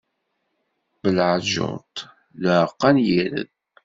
Belɛejjuṭ d uɛeqqa n yired.